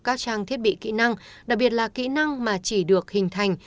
các trang thiết bị kỹ năng đặc biệt là kỹ năng mà chỉ được hình thành